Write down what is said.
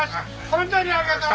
本当にありがとう。